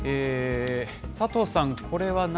佐藤さん、これは何？